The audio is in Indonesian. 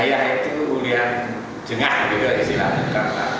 ngayah itu ulian jengah juga istilahnya